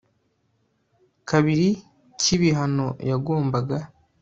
kabiri cy ibihano yagombaga